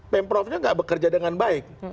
pemprovnya nggak bekerja dengan baik